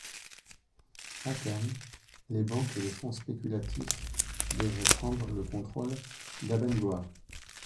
À terme, les banques et les fonds spéculatifs devraient prendre le contrôle d'Abengoa.